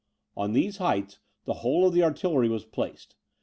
On these heights, the whole of the artillery was placed.